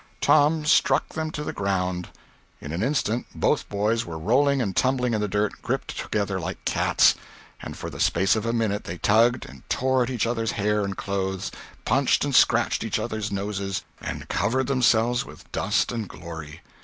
Tom struck them to the ground. In an instant both boys were rolling and tumbling in the dirt, gripped together like cats; and for the space of a minute they tugged and tore at each other's hair and clothes, punched and scratched each other's nose, and covered themselves with dust and glory.